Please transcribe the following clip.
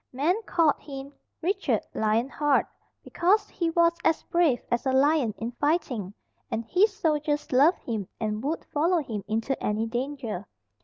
Men called him Richard Lion heart, because he was as brave as a lion in fighting, and his soldiers loved him and would follow him into any danger.